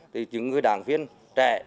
thì những người đảng viên trẻ